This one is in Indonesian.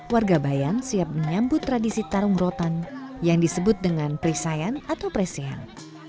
warga bayan siap menyambut tradisi tarung rotan yang disebut dengan presayan atau presel